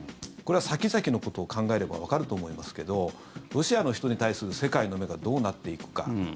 これは先々のことを考えればわかると思いますけどロシアの人に対する世界の目がどうなっていくか。